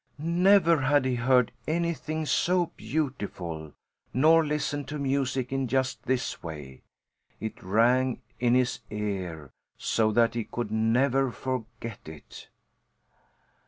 Never had he heard anything so beautiful, nor listened to music in just this way. It rang in his ear; so that he could never forget it.